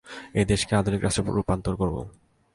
এই দেশকে আধুনিক রাষ্ট্রে রূপান্তর করব।